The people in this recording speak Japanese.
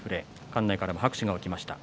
館内からも拍手がありました。